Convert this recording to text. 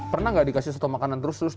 pernah nggak dikasih satu makanan terus terus